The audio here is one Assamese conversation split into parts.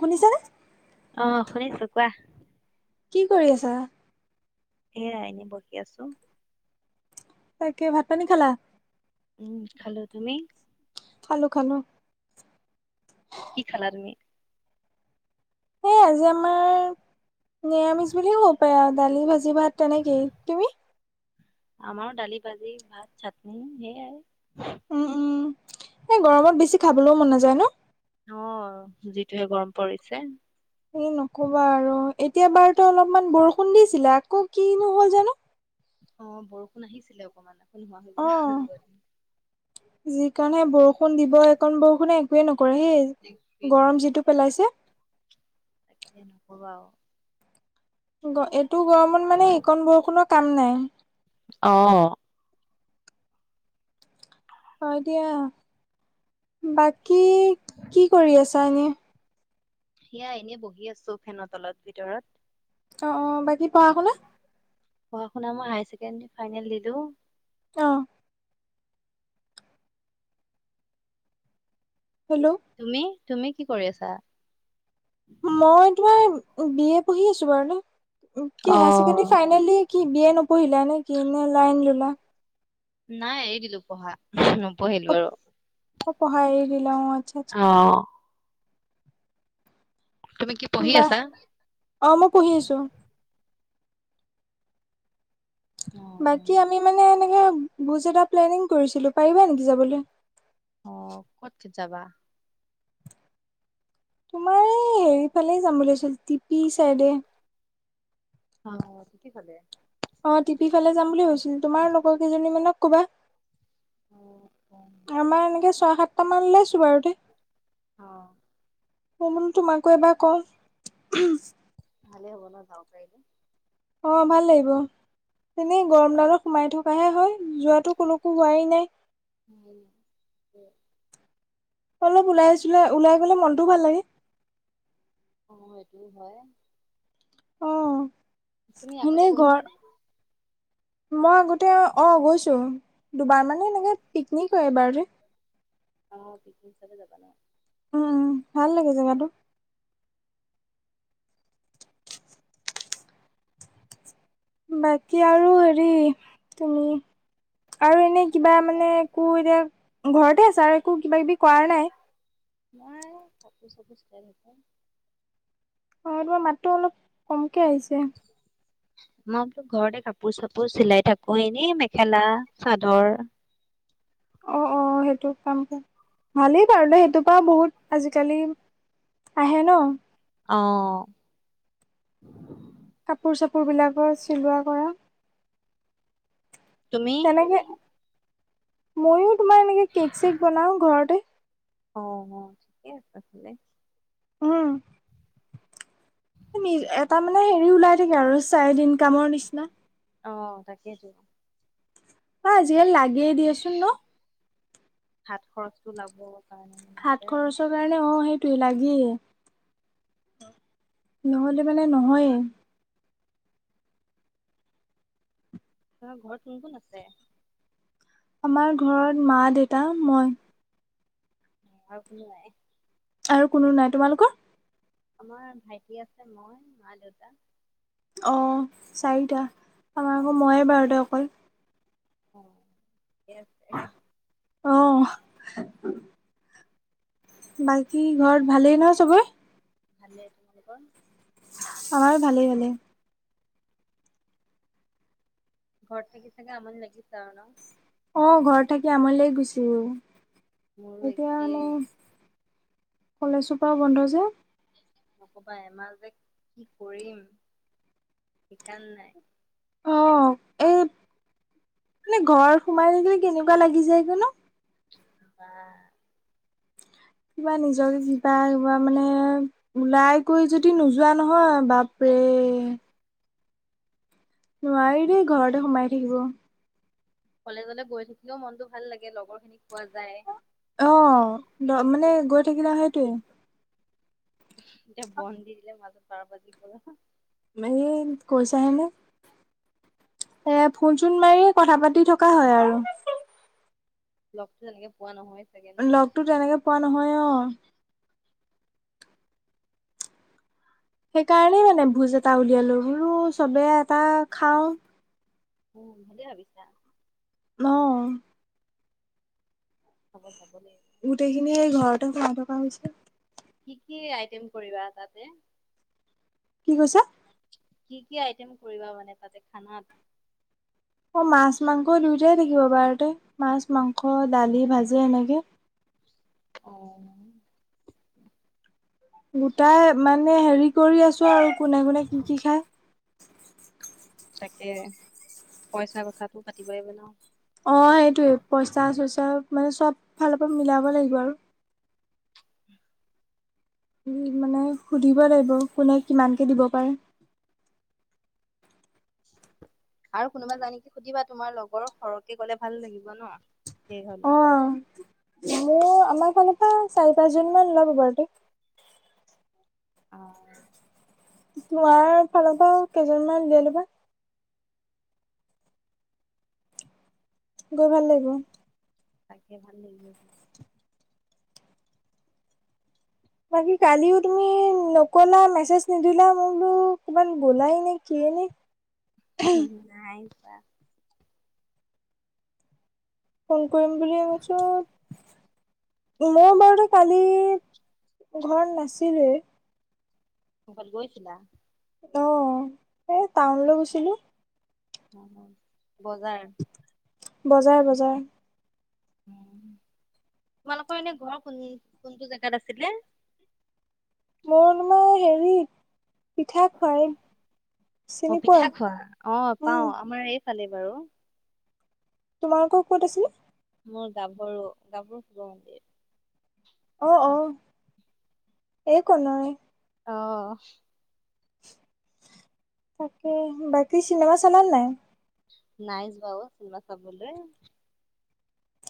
শুনিছানে অ', শুনিছো কোৱা। কি কৰি আছা? এয়া, এনে বহি আছো। তাকে, ভাত পানী খালা? উম, খালো, তুমি? খালো-খালো। কি খালা তুমি? সেই, আজি আমাৰ নিৰামিষ বুলি ক'ব পাৰি আৰু, দালি, ভাজি ভাত তেনেকেই, তুমি? আমাৰো দালি, ভাজি, ভাত, চাটনি সেইয়াই। উম, উম, এ গৰমত বেছি খাবলৈও মন নাযায় ন'? অ', যিটোহে গৰম পৰিছে। হে' নকবা আৰু, এতিয়া বাৰু তো অলপমান বৰষুণ দিছিলে। আকৌ, কিনো হ'ল জানো? অ' বৰষুণ আহিছিলে অকমান, আকৌ নোহোৱা হৈ অ গ'ল লগতে। কাৰণ সেই বৰষুণ দিব, এইকণ বৰষুণে একোৱেই নকৰে। সেই, গৰম যিটো পেলাইছে। তাকেহে, নকবা আৰু। গ- এইটো গৰমত মানে এইকণ বৰষুণৰ কাম নাই। অ', হয় দিয়া, বাকী কি কৰি আছা এনেই? সেয়া এনেই বহি আছো, ফেনৰ তলত, ভিতৰত। অ অ বাকী পঢ়া শুনা পঢ়া শুনা মই, হাইছেকেণ্ডৰি ফাইনেল দিলো। অ', হেল্ল' তুমি, তুমি কি কৰি আছা? মইটো বি এ পঢ়ি আছো বাৰু এনেই, অ কি হাইয়াৰ চেকেণ্ডেৰী ফাইনেল দি কি বিএ নপঢ়িলা নে কিনে লাইন ললা? নাই এৰি দিলো পঢ়া, অ নপঢ়িলো আৰু। পঢ়া এৰি দিলো মই। অ', তুমি কি পঢ়ি বাহ আছা অ', মই পঢ়ি আছো। অ বাকী আমি মানে এনেকে ভোজ এটা প্লেনিং কৰিছিলো, পাৰিবা নেকি যাবলৈ? অ ক'ত যাবা তোমাৰ এই হেৰি ফালে যাম বুলি ভাবিছিলো, টিপি চাইডে। অ', কি ভাল অ', টিপি ফালে যাম বুলি ভাবিছিলো, তোমাৰ লগৰ কেইজনী মানক ক'বা। অ আমাৰ এনেকে ছয় সাতটা মান লৈ বাৰতে অ [unintelligible] মই বোলো তোমাকো এবাৰ কওঁ। ভাল হব ন' যাব পাৰিব। অ', ভাল লাগিব। তেনে গৰম ডালত সোমাই থকাহে হয় যোৱাটো কোনো হোৱাই নাই। উ। অলপ ওলাই, ওলাই গলেও মনটো ভাল লাগে। অ', সেইটো হয়। অ', তুমি আগতে এনেই গৈছা ঘৰ নে? মই আগতে অ', গৈছো দুবাৰ মানে এনেকে পিকনিক হয় এবাৰ যে আহ পিকনিক হচাপে যাবা নহ [inaudible] উম, উম, ভাল লাগে জেগাটো। বাকী আৰু হেৰি তুমি আৰু এনেই কিবা মানে একো এতিয়া ঘৰতে আছা আৰু একো কিবা কিবি কৰা নাই। নোৱাৰে অফিচ চফিচ তেনেকে। হয় তোমাৰ মাতটো অলপ কম ময়ো ঘৰতে কাপোৰ চাপোৰ চিলাই থাকো এনে মেখেলা চাদৰ। অ', অ', সেইটো কামটো ভালেই বাৰু সেইটোৰ পৰা বহুত আজিকালি আহে ন। অ'। কাপোৰ চাপোৰবিলাকৰ চিলোৱা কৰা। তুমি? তেনেকে ময়ো তোমাৰ এনেকে কেক চেক বনাও ঘৰতে। অ', ঠিকেই আছে ভলে। উম। এটা মানে হেৰি ওলাই থাকে আৰু চাইদ ইনকামৰ নিচিনা। অ', তাকেইটো। অ', আজিকালি লাগিয়ে দিয়াচোন ন? হাত খৰচটো ওলাব কাৰণে। মানে হাত দিগদাৰ খৰচৰ কাৰণে অ' সেইটোোৱে লাগেই। নহ'লে মানে নহয়ে। তোমাৰ ঘৰত কোন কোন আছে? আমাৰ ঘৰত মা দেউতা মই। আৰু কোনো নাই? আৰু কোনো নাই। তোমালোকৰ? আমাৰ ভাইটি আছে মই মা দেউতা। অ', চাৰিটা আমাৰ অ আকৌ ময়ে বাৰু দে অকল। অ', ঠিকে আছে। অহ। বাকী ঘৰত ভালেই ন চবেই? ভালে। তোমালোকৰ? আমাৰো ভালেই ভালে। ঘৰত থাকি চাগে আমনি লাগিছে আৰু ন? অহ ঘৰত থাকি আমনি লাগি গৈছে। মোৰো এতিয়া একেই মানে কলেজখোপা বন্ধ যে। নকবা এমাহ যে কি কৰিম সিতান নাই। অ', এই মানে ঘৰত সোমাই থাকিলে কেনেকুৱা লাগি যায় গৈ ন। কি ক'বা। কিবা নিজকে কিবা কিবা মানে ওলাই কৰি যদি নোযোৱা নহয় বাপৰে নোৱাৰি দেই ঘৰতে সোমাই থাকিব। কলেজলে গৈ থাকিলেওঁ মনটো ভাল লাগে, লগৰখিনিক পোৱা যায়। অহ, ইটো সিটো মানে গৈ পাতি থাকিলা থাকো সেইটোৱে। এতিয়া বন্ধ দি দিলে [unintelligible] এ কৈছা হে নে! এ ফোন চোন মাৰি কথা পাতি থকা হয় আৰু। লগতো তেনেকে পোৱা নহয়ে। লগতো তেনেকে পোৱা নহয় অ'। সেইকাৰণেই মানে ভোজ এটা উলিয়ালো, বোলো চবে এটা খাওঁ। উম, ভালেই ভাবিছা। অ'। হ'ব। গোটেইখিনিয়ে ঘৰতে সোমাই থকা হৈছে। কি কি আইটেম কৰিবা তাতে? কি কৈছা? কি কি আইটেম কৰিবা মানে তাতে খানাত? অ মাছ, মাংস দুয়োটাই থাকিব বাৰুতে মাছ, মাংস, দালি, ভাজি এনেকে। [inaudible] অহ। গোটাই মানে হেৰি কৰি আছো আৰু কোনে কোনে কি কি খায়? তাকে পইচা কথাতটো পাতিবা লাগিব ন। অ এইটোয়ে পইচা-চইচা মানে চব ফালৰ পৰা মিলাব লাগিব আৰু। মানে সুধিব লাগিব, কোনে কিমানকে দিব পাৰে। আৰু কোনোবা যাই নেকি সুধিবা তোমাৰ লগৰ, সৰহকে গলে ভাল লাগিব ন। সেই অ হ'লে। মোৰ আমাৰ ফালৰ পৰা চাৰি - পাঁচজন মান [unintelligible] অ। তোমাৰ ফালৰ পৰা কেইজনমান দিয়াই ল'বা। গৈ ভাল লাগিব। তাকে ভাল লাগিব। বাকী কালিওঁ তুমি নকলা, মেছেজ নিদিলা, মই বোলো কৰবাত গোলাই নে কি। [inaudible] উম নাই‌। ফোন কৰিম বুলি, তাৰপিছত মোৰ বাৰুতে কালি ঘৰত নাছিলেই। ক'ৰবাত গৈছিলা? অ এই টাউনলৈ গৈছিলো। অ বজাৰ? বজাৰ-বজাৰ। তোমালোকৰ এনে ঘৰ কোন-কোনটো জেগাত আছিলে? মই তোমাৰ হেৰিত অ পোৱা? পিঠা খোৱা, অ উম, পাওঁ আমাৰ এই ফালে বাৰু। তোমালোকৰ ক'ত আছিলে? মোৰ গাভৰু গাভৰু শিৱ মন্দিৰ। অ অ এ কোনোই অ। তাকে বাকী চিনেমা চলা নে নাই? নাই যোৱা ও চিনেমা চাবলৈ।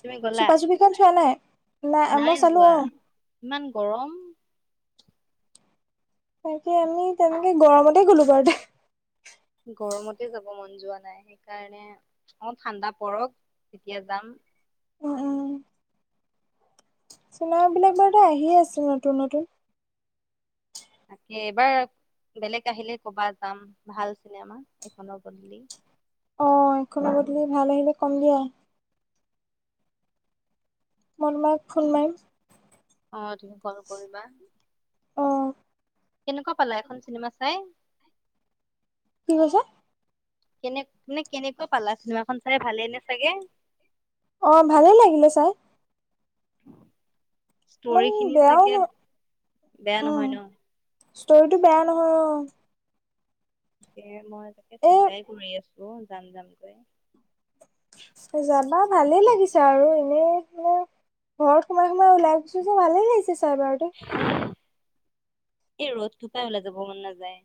তুমি গ'লা চুপা-চুপি খন চোৱা নাই? নাই মই চালো অ। ইমান গৰম। তাকে আমি তেনেকে গৰমতে গ'লো বাৰু দে। গৰমতে যাব মন যোৱা নাই, সেইকাৰণে অলপ ঠাণ্ডা পৰক। তেতিয়া যাম। উম উম। চিনেমা বিলাক বাৰু আহিয়ে আছে নতুন নতুন। তাকে এইবাৰ বেলেগ আহিলে ক'বা যাম, ভাল চিনেমা এইখনৰ বদলি। অ এখনৰ বদলি ভাল আহিলে কম দিয়া। মই তোমাক ফোন মাৰিম। অ তুমি কল কৰিবা। অ', কেনেকুৱা পালা সেইখন চিনেমা চাই? কি কৈছে? কেনে মানে কেনেকা পালা চিনেমাখন চাই ভালে নে চাগে। অ' ভালে লাগিলে চাই। ইমান ষ্টৰি খিনি বেয়াও চাগে ন বেয়া উম। নহয় ন। ষ্টৰিটো বেয়া নহয় অ' তে মই তাকে চিন্তাই কৰি আছো যাম যামকৈ। যাবা। ভালে লাগিছে আৰু এনেই মানে ঘৰত সোমাই সোমাই ওলাই গৈছো যে ভালে লাগিছে। চাৰ বাৰটে। এই ৰ'দ টো পাই ওলাই যাব মন নাযায়।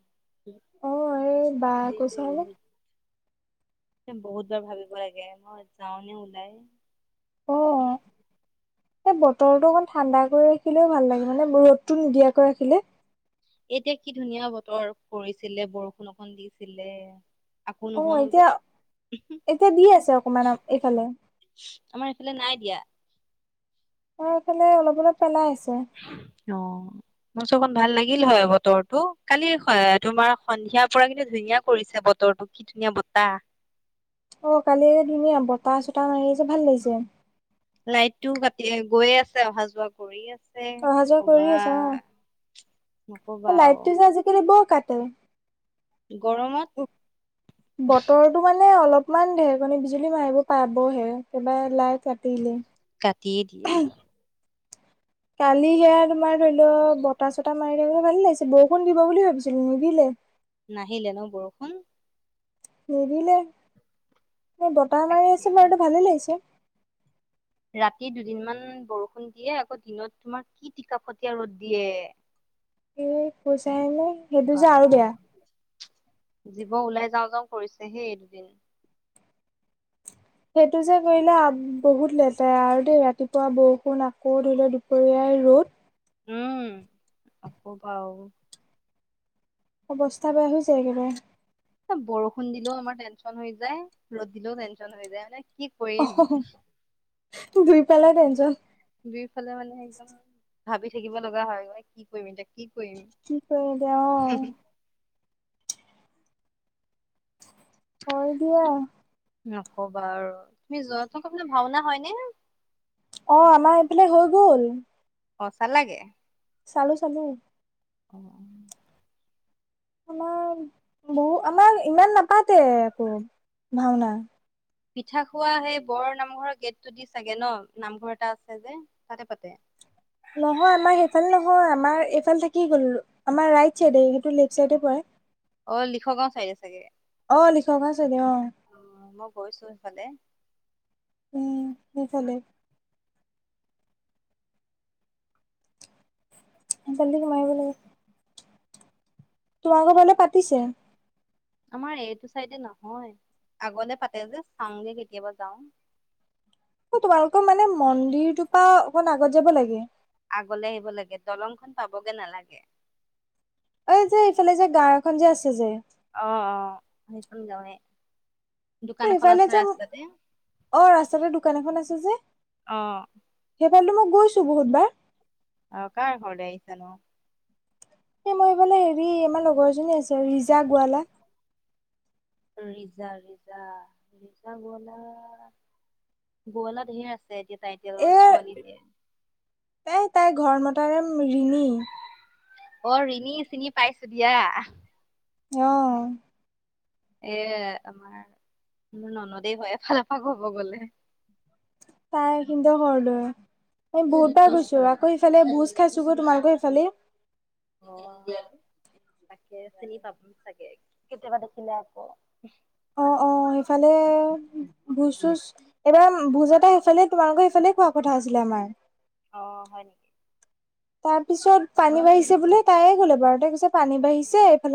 অ' এই বা কৈছে বোলে। বহুতবাৰ ভাবিব লাগে, মই যাওঁ নে ওলাই। সেই বতৰটো অকণ ঠাণ্ডা কৰি ৰাখিলেও ভাল লাগে, মানে ৰ'দতটো নিদিয়াকৈ ৰাখিলে। এতিয়া কি ধুনীয়া বতৰ কৰিছিলে বৰষুণ অকন দিছিলে। আকৌ নোহোৱা অ' হৈ এতিয়া গ'ল এতিয়া দি আছে অকমান এইফালে। আমাৰ এইফালে নাই দিয়া। আমাৰ এইফালে অলপ অলপ পেলাই আছে। অ' মোৰ চোৰ অকণ ভাল লাগিল হয়, বতৰটো কালি তোমাৰ সন্ধিয়াৰ পৰা কিন্তু ধুনীয়া কৰিছে বতৰ। বতৰটো কি ধুনীয়া বতাহ। অ' কালি ধনীয়া বতাহ চতাহ মাৰিছে ভাল লাগিছে। লাইটটো কাটি গৈয়ে আছে, অহা যোৱা কৰিয় আছে অহা কি যোৱা কৰি কবা। আছে [unintelligible] আৰু লাইটটো যে আজিকালি বৰ কাটে। গৰমত উ, বতৰটো মানে অলপ। অকমান ঢেৰেকণি বিজুলী মাৰিব পাবহে একবাৰে লাইট কাটিলে। কাটিয়ে দিয়ে। [inaudible] কালি সেয়া তোমাৰ ধৰি লওঁ বতাহ চতাহ মাৰি থাকিবলৈ ভাল লাগিছে, বৰষুণ দিব বুলি ভাবিছিলো নিদিলে। নাহিলে ন বৰষুণ। নিদিলে বতাহ মাৰি তাকে আছে বাৰুটো ভালে লাগিছে। ৰাতি দুদিনমান বৰষুণ দিয়ে, আকৌ দিনত তোমাৰ কি টিকাফটীয়া ৰ'দ দিয়ে। এ কয় চাহে নে সেইটো বা যে আৰু বেয়া। জীৱ ওলাই যাওঁ যাওঁ কৰিছেহেই এই দুদিন। সেইটো যে কৰিলে বহুত লেতেৰা আৰু দেই ৰাতিপুৱা বৰষুণ আকৌ ধৰি লওঁ দুপৰীয়াই। ৰ'দ উম আকৌ পাওঁ। অৱস্থা বেয়া হৈ যায় একেবাৰে। বৰষুণ দিলেওঁ আমাৰ টেনচন হৈ যায়, ৰ'দ দিলেওঁ টেনচন হৈ যায় নে কি। কি কৰিম। দুই ফালে টেনচন। দুইফালে মানে একদম ভাবি থাকিব লগা হয় মানে কি কৰিম এতিয়া। কি কৰিম কি কৰিম এতিয়া অ' হয় দিয়া। নকবা আৰু তুমি [unintelligible] ভাওনা হয় নে? অ' আমাৰ এইফালে হৈ গ'ল। অ' চালা গে। চালোঁ, চালোঁ। অ' আমাৰ বহু আমাৰ ইমান নাপাতে আকৌ ভাওনা। পিঠা খোৱা সেই বৰ নামঘৰৰ গেটটো দি চাগে ন নামঘৰ এটা আছে যে তাতে পাতে। নহয় আমাৰ সেইফালে নহয়, আমাৰ এইফাল থাকি গ'ল, আমাৰ ৰাইট চাইডে সেইটো লেফট চাইডে পৰে। অ' লিখকে চাই ন চাগে। অ' লিখক আছে দে অ'। কৈছো ইফালে। উম্, সেইফাল। জলদি কমাৰিব লাগে। তোমাৰ কথা পাতিছে। আমাৰ এইটো চাইডে নহয়, আগলে পাতে যে, চাওংগে কেতিয়াবা যাওঁ। অ' তোমালোকৰ মানে মন্দিৰটোৰ পৰা অকণ আগত যাব লাগে। আগলৈ আহিব লাগে, দলংখন পাবগে নালাগে। এই যে, এইফালে যে গাওঁ এখন যে আছে যে। অ' অ', সেইখন গাঁৱে। দোকান এখন সেইফালে আছে যে, ৰাস্তাতে। অ' ৰাস্তাতে দোকান এখন আছে যে। অ', সেইফালেদি মই গৈছো বহুতবাৰ। অ' কাৰ ঘৰলে আহিছানো? এ তোমাৰ সেইফালে হেৰি, আমাৰ লগৰ এজনী আছে ৰিজা গোৱালা। ৰিজা, ৰিজা, ৰিজা গোৱালা, গোৱালা ধেৰ আছে। একে টাইটেলৰ এ ছোৱালী নে। তাই, তাইৰ ঘৰত মতা নাম ৰিণী। অ' ৰিণী, চিনি পাইছো দিয়া। অ'। এ আমাৰ, মোৰ ননদে হয়, এফালপা ক'ব গ'লে। তাই কিন্তু ঘৰত, বহুতবাৰ অ', গৈছো আকৌ ইফালে বুজ। খাইছোগৈ তোমালোকৰ সেইফালে। অ', তাকে চিনি পাম। তাকে, কেতিয়বা দেখিলে আকৌ। অ' অ'। অ' সেইফালে, ভুজ চোজ। এইবাৰ ভুজ এটা সেইফালে তোমালোকৰ সেইফালে খোৱা কথা আছিলে। আমাৰ। অ' হয় নেকি? তাৰ পিছত পানী বাঢ়িছে বোলে। তাইয়ে ক'লে বাৰু, কৈছে পানী বাঢ়িছে এইফালে।